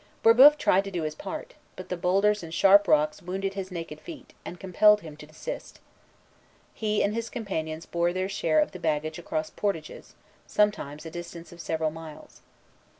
Brébeuf tried to do his part; but the boulders and sharp rocks wounded his naked feet, and compelled him to desist. He and his companions bore their share of the baggage across the portages, sometimes a distance of several miles.